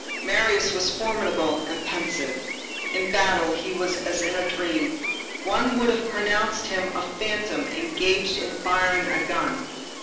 Marius was formidable and pensive. In battle he was as in a dream. One would have pronounced him a phantom engaged in firing a gun.